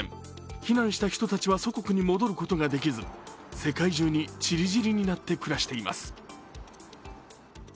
避難した人たちは祖国に戻ることができず、世界中にちりぢりになって暮らしています。